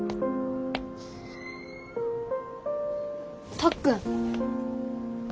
たっくん！